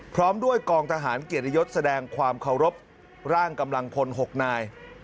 พร้อมด้วยกองทหารเกียรติยศแสดงความเคารพร่างกำลังพล๖นาย